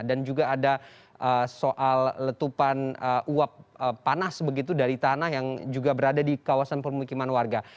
dan juga ada soal letupan uap panas begitu dari tanah yang juga berada di kawasan pemikiman warga